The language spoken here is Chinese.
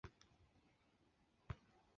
阿里恰。